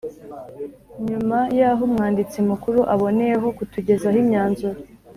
Nyuma y’aho Umwanditsi Mukuru aboneyeho kutugezaho imyanzuro